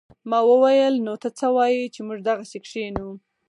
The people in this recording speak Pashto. ما وويل نو ته څه وايې چې موږ دغسې کښينو.